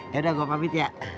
yaudah gue pamit ya